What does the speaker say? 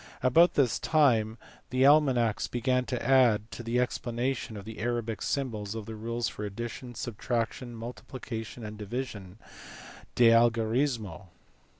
About this time the almanacks began to add to the explanation of the Arabic symbols the rules of addition, subtraction, multiplication, and division, u de al gorismo."